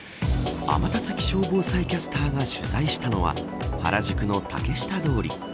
天達気象防災キャスターが取材したのは原宿の竹下通り。